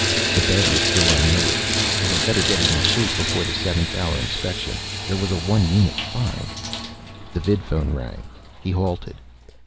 The bed was still unmade. They had better get it in shape before the seventh hour inspection. There was a one unit fine The vidphone rang. He halted.